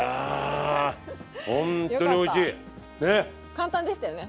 簡単でしたよね？